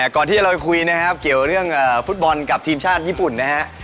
ก่อนที่เราไปคุยนะครับเกี่ยวเรื่องฟุตบอลกับทีมชาติญี่ปุ่นนะฮะ